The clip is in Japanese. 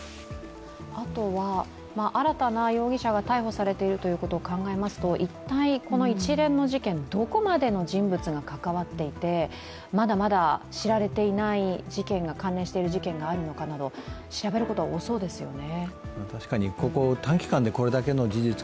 あとは新たな容疑者が逮捕されてることを考えますと一体、この一連の事件、どこまでの人物が関わっていて、まだまだ知られていない関連している事件があるのかなど調べることは多そうですよね。